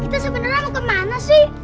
kita sebenarnya mau kemana sih